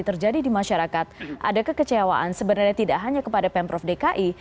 terjadi di masyarakat ada kekecewaan sebenarnya tidak hanya kepada pemprov dki